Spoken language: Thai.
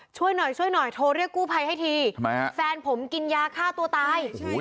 ช่วยหน่อยโทรเรียกกู้ภัยให้ทีแฟนผมกินยาฆ่าตัวตาย